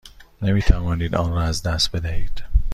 نمی توانید آن را از دست بدهید.